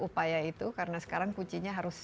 upaya itu karena sekarang kuncinya harus